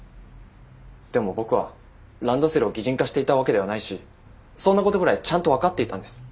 でも僕はランドセルを擬人化していたわけではないしそんなことぐらいちゃんと分かっていたんです。